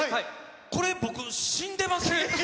これ、僕、死んでません？